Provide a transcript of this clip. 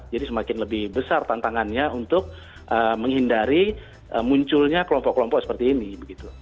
jadi semakin lebih besar tantangannya untuk menghindari munculnya kelompok kelompok seperti ini